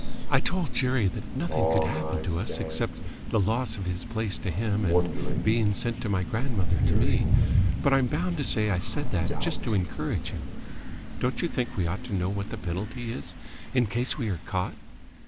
"I told Jerry that nothing could happen to us except the loss of his place to him and being sent to my grandmother to me, but I'm bound to say I said that just to encourage him. Don't you think we ought to know what the penalty is, in case we are caught?"